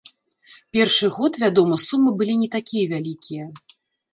Першы год, вядома, сумы былі не такія вялікія.